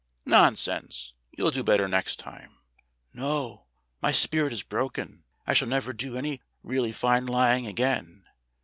"Nonsense! You'll do better next time." "No, my spirit is broken. I shall never do any really fine lying again.